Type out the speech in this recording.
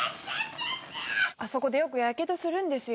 あそこでよくやけどするんですよ。